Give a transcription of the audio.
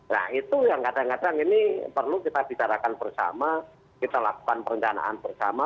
nah itu yang kadang kadang ini perlu kita bicarakan bersama kita lakukan perencanaan bersama